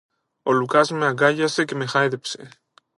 Ο Λουκάς με αγκάλιασε και με χάιδεψε.